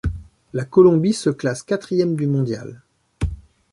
La Colombie se classe quatrième du mondial.